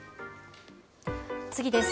次です。